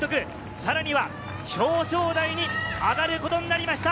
さらには表彰台に上がることになりました。